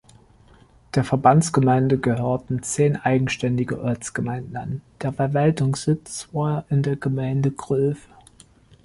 Der Verbandsgemeinde gehörten zehn eigenständige Ortsgemeinden an, der Verwaltungssitz war in der Gemeinde Kröv.